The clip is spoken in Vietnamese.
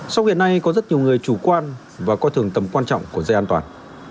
sau hiện nay có rất nhiều người chủ quan và coi thường tầm quan trọng của dây an toàn